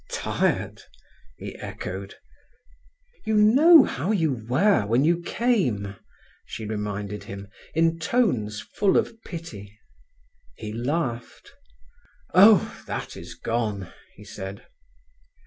"Tired!" he echoed. "You know how you were when you came," she reminded him, in tones full of pity. He laughed. "Oh, that is gone," he said.